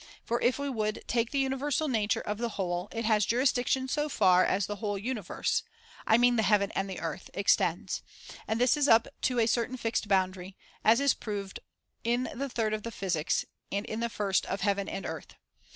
For if we would take the universal nature of the whole, it has jurisdiction so far as the whole universe — I mean the heaven and the earth — extends ; and this is up to a certain fixed boundary, as is proved in the third of the Physics and in the first Of Heaven and Earth.